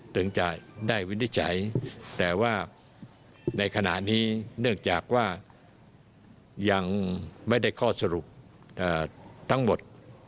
จะได้วินิจฉัยแต่ว่าในขณะนี้เนื่องจากว่ายังไม่ได้ข้อสรุปทั้งหมด